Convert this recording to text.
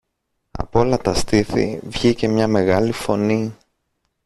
Απ' όλα τα στήθη βγήκε μια μεγάλη φωνή